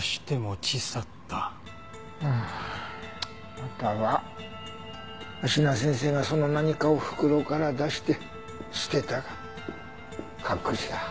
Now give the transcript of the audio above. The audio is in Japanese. または芦名先生がその何かを袋から出して捨てたか隠した。